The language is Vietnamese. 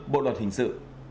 bộ luật hình sự